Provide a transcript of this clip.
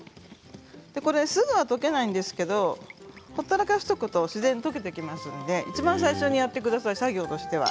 すぐには溶けないんですけれどほったらかしておくと自然に溶けてきますのでいちばん最初にやってください作業としては。